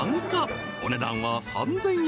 ［お値段は３，０００円。